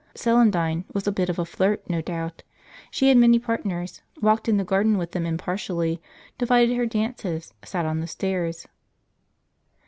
Celandine was a bit of a flirt, no doubt. She had many partners, walked in the garden with them impartially, divided her dances, sat on the stairs.